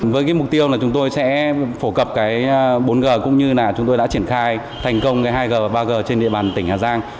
với mục tiêu là chúng tôi sẽ phổ cập bốn g cũng như là chúng tôi đã triển khai thành công hai g và ba g trên địa bàn tỉnh hà giang